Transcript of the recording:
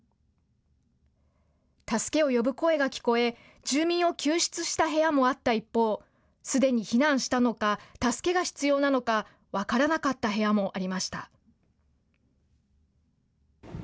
助けを呼ぶ声が聞こえ、住民を救出した部屋もあった一方、すでに避難したのか、助けが必要なのか分からなかった部屋もありました。